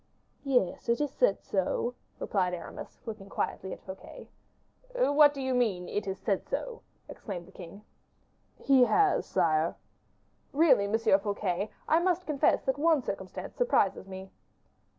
"Yes, it is said so," replied Aramis, looking quietly at Fouquet. "What do you mean by 'it is said so?'" exclaimed the king. "He has, sire." "Really, M. Fouquet, I must confess that one circumstance surprises me."